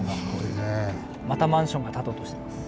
またマンションが建とうとしてます。